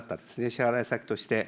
支払い先として。